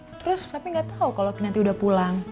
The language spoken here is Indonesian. terus papi gak tau kalau nanti udah pulang